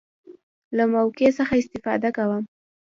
له موقع څخه استفاده کوم.